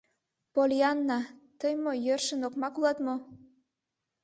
— Поллианна, тый мо, йӧршын окмакак улат мо?